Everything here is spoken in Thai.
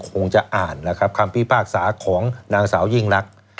คงจะอ่านคำพิพากษาของนางสาวยิ่งรัก